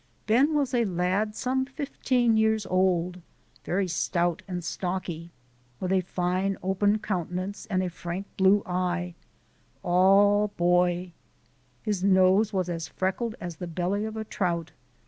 Ben was a lad some fifteen years old very stout and stocky, with a fine open countenance and a frank blue eye all boy. His nose was as freckled as the belly of a trout.